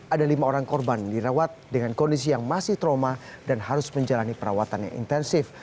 ada lima orang korban dirawat dengan kondisi yang masih trauma dan harus menjalani perawatan yang intensif